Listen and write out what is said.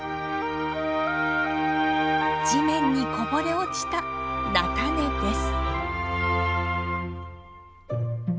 地面にこぼれ落ちた菜種です。